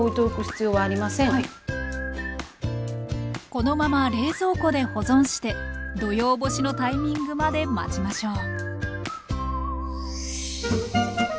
このまま冷蔵庫で保存して土用干しのタイミングまで待ちましょう